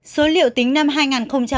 số liệu tính năm hai nghìn một mươi chín